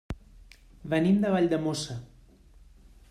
Venim de Valldemossa.